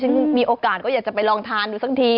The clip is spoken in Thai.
มีโอกาสก็อยากจะไปลองทานดูสักที